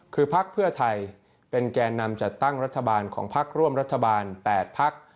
คือพักเพื่อไทยเป็นแก่นำจัดตั้งรัฐบาลของพักร่วมรัฐบาล๘พัก